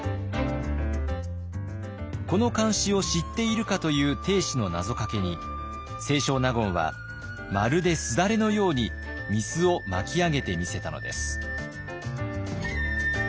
この漢詩を知っているかという定子の謎かけに清少納言はまるですだれのように御簾を巻き上げてみせたのです。